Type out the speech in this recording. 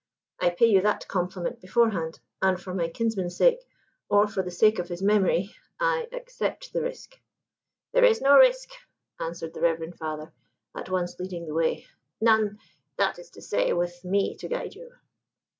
I pay you that compliment beforehand, and for my kinsman's sake, or for the sake of his memory, I accept the risk." "There is no risk," answered the reverend father, at once leading the way: "none, that is to say, with me to guide you."